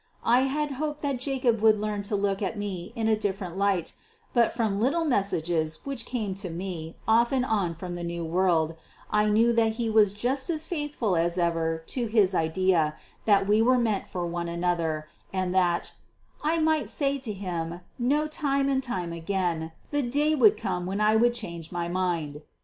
I had hoped that Jacob would learn to look at me in a different light, but from little messages which came to me off and on from the New World, I knew that he was just as faithful as ever to his idea that we were meant for one another, and that "I might say him No time and time again, the day would come when I would change my mind."